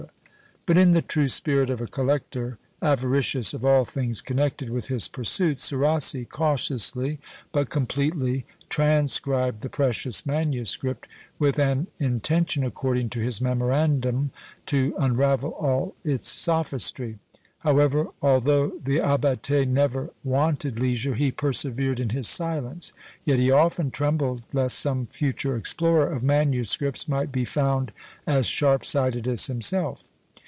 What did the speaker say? But in the true spirit of a collector, avaricious of all things connected with his pursuits, Serassi cautiously, but completely, transcribed the precious manuscript, with an intention, according to his memorandum, to unravel all its sophistry. However, although the Abbate never wanted leisure, he persevered in his silence; yet he often trembled lest some future explorer of manuscripts might be found as sharpsighted as himself.